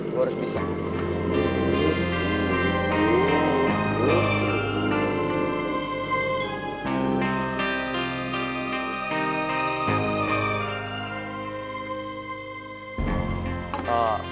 gue harus bisa